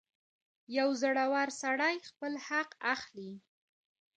• یو زړور سړی خپل حق اخلي.